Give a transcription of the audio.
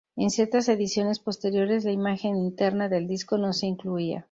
En ciertas ediciones posteriores la imagen interna del disco no se incluía.